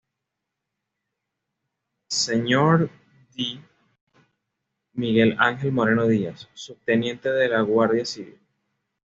Sr. D. Miguel Ángel Moreno Díaz, Subteniente de la Guardia Civil.